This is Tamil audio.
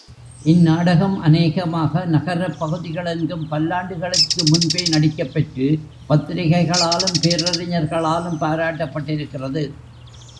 இந் நாடகம் அநேகமாக நகரப் பகுதிகளெங்கும் பல்லாண்டுகளுக்கு முன்பே நடிக்கப்பெற்று பத்திரிகைகளாலும் பேரறிஞர்களாலும் பாராட்டப் பட்டிருக்கிறது.